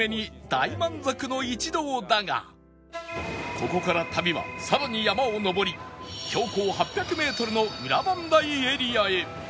ここから旅はさらに山を登り標高８００メートルの裏磐梯エリアへ